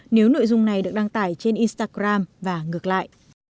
nếu nội dung này được đăng tải trên instagram và ngược lại